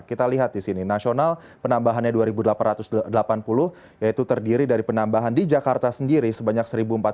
kita lihat di sini nasional penambahannya dua delapan ratus delapan puluh yaitu terdiri dari penambahan di jakarta sendiri sebanyak satu empat ratus